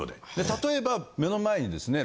例えば目の前にですね